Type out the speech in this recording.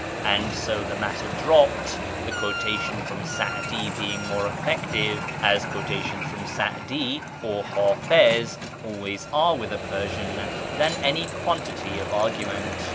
And so the matter dropped, the quotation from Sa'di being more effective (as quotations from Sa'di or Hafiz always are with a Persian) than any quantity of argument.